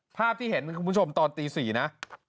ภาพที่เห็นคุณผู้ชมตอนตี๔นะ